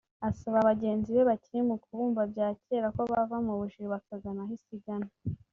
Asaba bagenzi be bakiri mu kubumba bya kera ko bava mu bujiji bakagana aho Isi igana